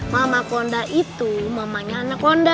mama konda itu mamanya anak honda